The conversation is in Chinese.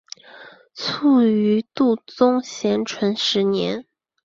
卒于度宗咸淳十年。